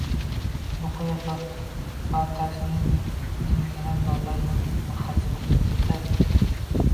Bu quyosh barkashining ming-minglab torlarda nur taratishiga o`xshab ketadi